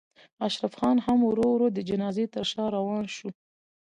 اشرف خان هم ورو ورو د جنازې تر شا روان شو.